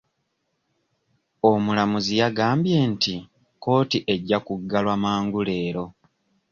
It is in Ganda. Omulamuzi yagambye nti kkooti ejja kuggalwa mangu leero.